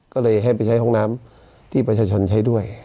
ก็เลยให้ไปใช้ห้องน้ำที่ประชาชนใช้ด้วย